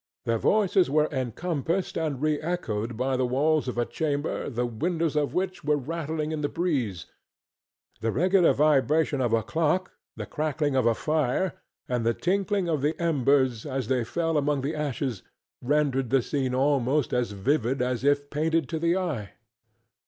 Their voices were encompassed and re echoed by the walls of a chamber the windows of which were rattling in the breeze; the regular vibration of a clock, the crackling of a fire and the tinkling of the embers as they fell among the ashes rendered the scene almost as vivid as if painted to the eye.